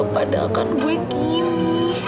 padahal kan gue kimmy